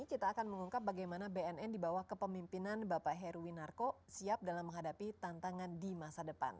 kita akan mengungkap bagaimana bnn dibawa kepemimpinan bapak heru winarko siap dalam menghadapi tantangan di masa depan